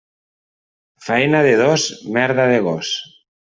Faena de dos, merda de gos.